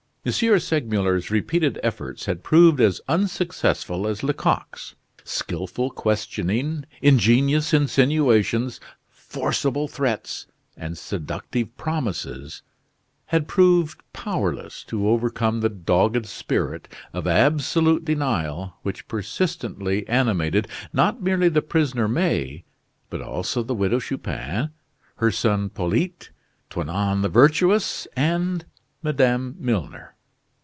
Segmuller's repeated efforts had proved as unsuccessful as Lecoq's. Skilful questioning, ingenious insinuations, forcible threats, and seductive promises had proved powerless to overcome the dogged spirit of absolute denial which persistently animated, not merely the prisoner May, but also the Widow Chupin, her son Polyte, Toinon the Virtuous, and Madame Milner.